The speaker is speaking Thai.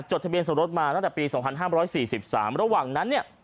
ทะเบียนสมรสมาตั้งแต่ปี๒๕๔๓ระหว่างนั้นเนี่ย